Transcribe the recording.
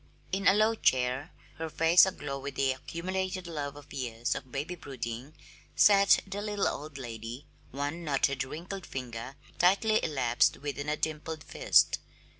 In a low chair, her face aglow with the accumulated love of years of baby brooding, sat the little old lady, one knotted, wrinkled finger tightly elapsed within a dimpled fist.